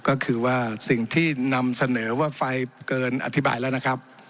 ก็คือว่าสิ่งที่นำเสนอว่าไฟเกินอธิบายแล้วนะครับ